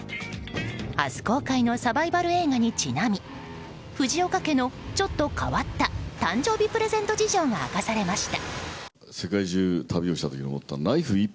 明日公開のサバイバル映画にちなみ藤岡家のちょっと変わった誕生日プレゼント事情が明かされました。